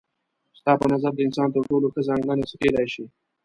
ستا په نظر د انسان تر ټولو ښه ځانګړنه څه کيدای شي؟